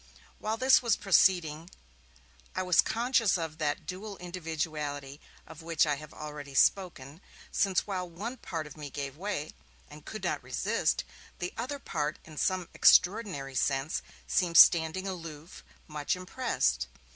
While this was proceeding, I was conscious of that dual individuality of which I have already spoken, since while one part of me gave way, and could not resist, the other part in some extraordinary sense seemed standing aloof, much impressed.